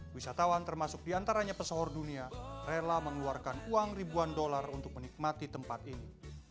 wisatawan termasuk diantaranya pesohor dunia rela mengeluarkan uang ribuan dolar untuk menikmati tempat ini